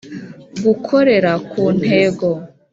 Gukorera ku ntego